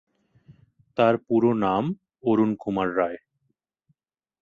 তার পুরো নাম অরুণ কুমার রায়।